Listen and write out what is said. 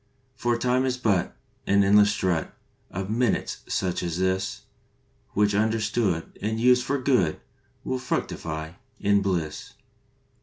For Time is but An endless strut Of minutes such as this, Which, understood And used for good, Will fructify in bliss.